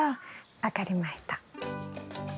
分かりました。